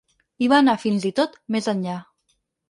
I va anar, fins i tot, més enllà.